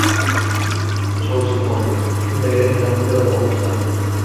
Chol jim qoldi. Cho’ntagidan yana papiros olib tutatdi.